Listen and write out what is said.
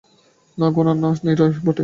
না গো না, সেই নীরুই বটে।